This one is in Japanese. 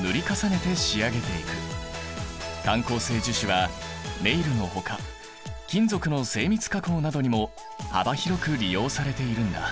感光性樹脂はネイルのほか金属の精密加工などにも幅広く利用されているんだ。